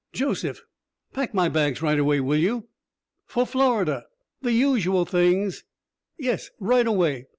"Josef? Pack my bags right away, will you? For Florida. The usual things.... Yes, right away.